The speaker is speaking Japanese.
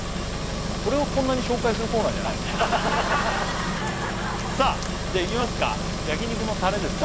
これをこんなに紹介するコーナーじゃないもんねさあじゃいきますかそうですね